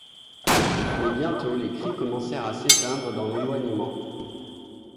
Mais bientôt les cris commencèrent à s’éteindre dans l’éloignement.